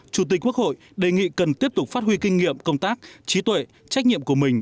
chủ tịch quốc hội đề nghị cần tiếp tục phát huy kinh nghiệm công tác trí tuệ trách nhiệm của mình